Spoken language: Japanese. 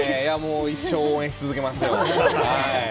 一生応援し続けます。